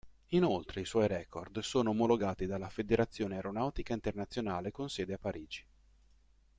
Inoltre i suoi record sono omologati dalla Federazione aeronautica internazionale con sede a Parigi.